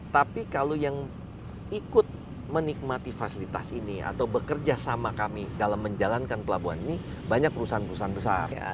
tapi kalau yang ikut menikmati fasilitas ini atau bekerja sama kami dalam menjalankan pelabuhan ini banyak perusahaan perusahaan besar